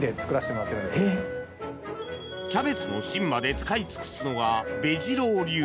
キャベツの芯まで使い尽くすのが、ベジ郎流。